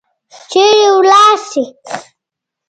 چیرې ولاړي شي؟